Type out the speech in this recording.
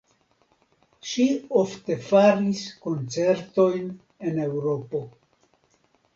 Ŝi ofte faris koncertojn en Eŭropo.